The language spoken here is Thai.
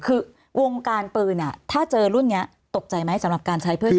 คือวงการปืนถ้าเจอรุ่นนี้ตกใจไหมสำหรับการใช้เพื่อชีวิต